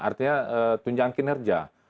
artinya tunjangkin kerja